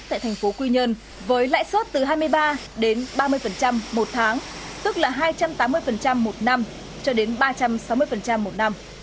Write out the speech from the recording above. tại thành phố quy nhơn với lãi suất từ hai mươi ba đến ba mươi một tháng tức là hai trăm tám mươi một năm cho đến ba trăm sáu mươi một năm